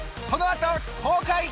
このあと公開！